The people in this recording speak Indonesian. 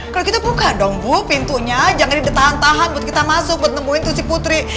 kalau kita buka dong bu pintunya jangan ditahan tahan kita masuk menemuin si putri